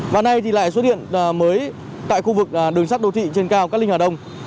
và nay thì lại xuất hiện mới tại khu vực đường sắt đô thị trên cao cát linh hà đông